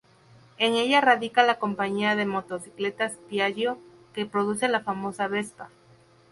En ella radica la compañía de motocicletas Piaggio, que produce la famosa Vespa.